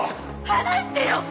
離してよ！